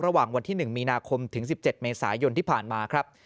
ระหว่างวันที่๑มีนาคมถึง๑๗เมษายนที่ผ่านมาครับ